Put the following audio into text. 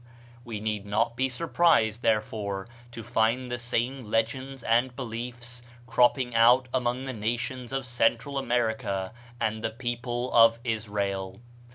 We need not be surprised, therefore, to find the same legends and beliefs cropping out among the nations of Central America and the people of Israel.